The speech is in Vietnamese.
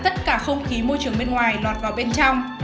tất cả không khí môi trường bên ngoài lọt vào bên trong